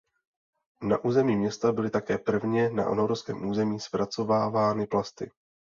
Na území města byly také prvně na norském území zpracovávány plasty.